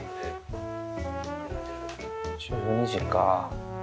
１２時か。